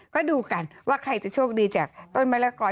ก็ดูกันว่าใครจะโชคดีจากต้นมะละกอย